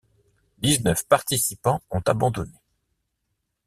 Dix-neuf participants ont abandonné.